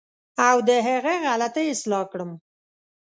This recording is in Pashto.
او د هغه غلطۍ اصلاح کړم.